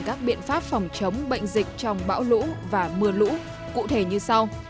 các biện pháp phòng chống bệnh dịch trong bão lũ và mưa lũ cụ thể như sau